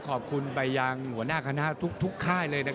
ขอบคุณไปยังหัวหน้าคณะทุกค่ายเลย